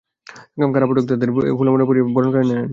কারা ফটক থেকে তাঁদের ফুলের মালা পরিয়ে বরণ করে নেন এলাকার লোকজন।